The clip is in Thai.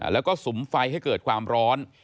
แล้วก็สุมไฟให้เกิดความร้อน